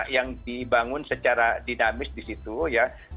yang dibangun secara dinamis di situ ya